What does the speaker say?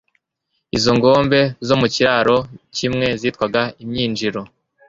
izo ngombe zo mu kiraro kimwe zitwaga imyinjiro